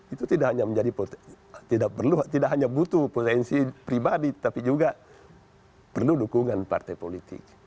itu tidak hanya butuh potensi pribadi tapi juga perlu dukungan partai politik